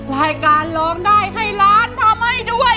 รายการร้องได้ให้ล้านทำให้ด้วย